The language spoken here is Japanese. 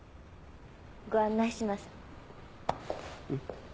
ご案内します。